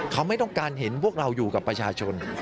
เขาไม่ต้องการเห็นพวกเราอยู่กับประชาชน